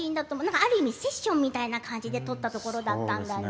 ある意味、セッションみたいな感じで撮ったシーンだったんだね。